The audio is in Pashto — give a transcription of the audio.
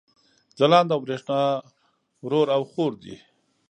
ځلاند او برېښنا رور او حور دي